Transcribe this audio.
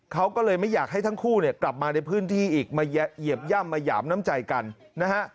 เขาก็เลยไม่อยากให้ทั้งคู่เนี่ยกลับมาในพื้นที่อีกมาเหยียบย่ำมาหยามน้ำใจกันนะฮะ